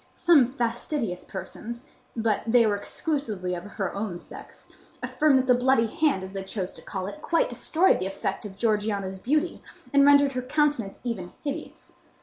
Some fastidious persons—but they were exclusively of her own sex—affirmed that the bloody hand, as they chose to call it, quite destroyed the effect of Georgiana's beauty, and rendered her countenance even hideous.